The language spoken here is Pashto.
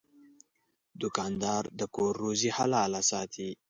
دوکاندار د کور روزي حلاله ساتي.